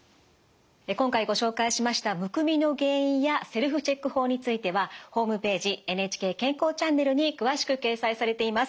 今回ご紹介しましたむくみの原因やセルフチェック法についてはホームページ「ＮＨＫ健康チャンネル」に詳しく掲載されています。